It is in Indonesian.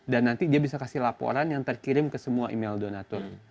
nanti dia bisa kasih laporan yang terkirim ke semua email donatur